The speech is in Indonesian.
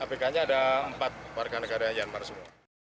kpk nya ada empat warga negara myanmar semua